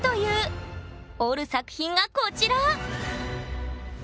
折る作品がこちら！